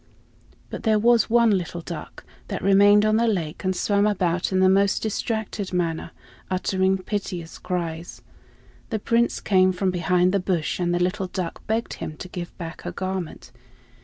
But there was one little duck, that remained on the lake and swam about in the most distracted manner, uttering piteous cries. The Prince came from behind the bush and the little duck begged him to give back her garment.